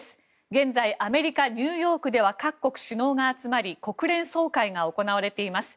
現在アメリカ・ニューヨークでは各国首脳が集まり国連総会が行われています。